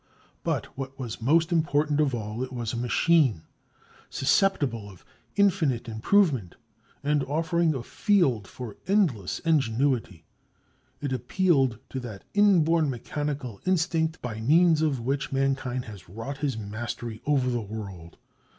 But, what was most important of all, it was a machine, susceptible of infinite improvement and offering a field for endless ingenuity. It appealed to that inborn mechanical instinct by means of which mankind has wrought his mastery over the world.